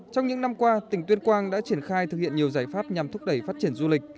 trong những năm qua tỉnh tuyên quang đã triển khai thực hiện nhiều giải pháp nhằm thúc đẩy phát triển du lịch